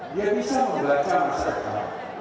dia bisa membaca masa depan